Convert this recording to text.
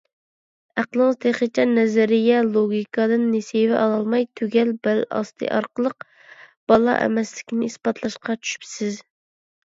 ئەقلىڭىز تېخىچە نەزىرىيە، لوگىكادىن نېسىۋە ئالالماي، تۈگەل بەل ئاستى ئارقىلىق بالا ئەمەسلىكنى ئىسپاتلاشقا چۈشۈپسىز.